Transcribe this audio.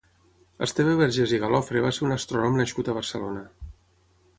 Esteve Vergés i Galofre va ser un astrònom nascut a Barcelona.